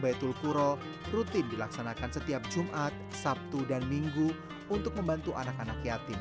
baitul kuro rutin dilaksanakan setiap jumat sabtu dan minggu untuk membantu anak anak yatim